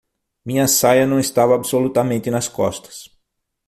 Minha saia não estava absolutamente nas costas.